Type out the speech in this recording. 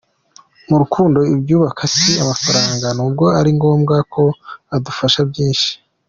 Mu rukundo ibyubaka si amafaranga n’ubwo ari ngombwa kuko adufasha byinshi.